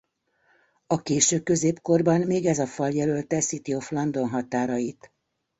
A késő középkorban még ez a fal jelölte City of London határait.